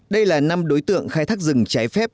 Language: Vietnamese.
đây là năm đối tượng khai thác rừng trái phép